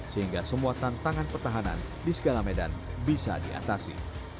sehingga semua tantangan pertahanan di segala medan bisa diatasi